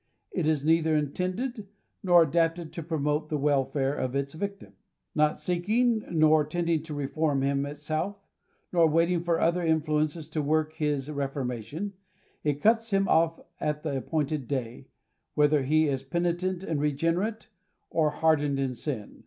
It is neither intended nor adapted to promote the welfare of its victim. Not seeking nor tending to reform him itself, nor waiting for other influences to work his reformation, it cuts him off at the appointed day, whether he is penitent and regenerate, or hardened in sin.